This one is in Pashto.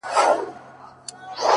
د سترگو توره سـتــا بـلا واخلـمـه;